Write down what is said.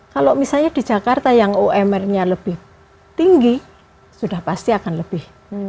kalau misalnya di jakarta yang umr nya lebih tinggi sudah pasti akan lebih